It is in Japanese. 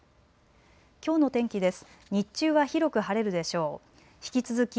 きょうの天気です。